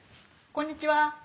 こんにちは。